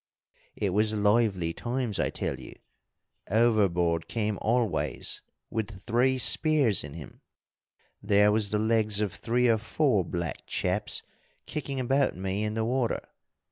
"It was lively times, I tell you! Overboard came Always with three spears in him. There was the legs of three or four black chaps kicking about me in the water.